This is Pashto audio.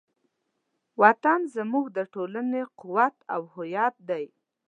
وطن زموږ د ټولنې قوت او هویت دی.